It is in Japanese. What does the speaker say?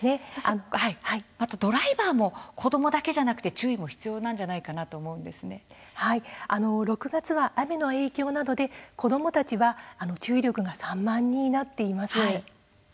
あとドライバーも子どもだけではなく注意が必要なんじゃないかと６月は雨の影響で子どもたちの注意力が散漫になっています。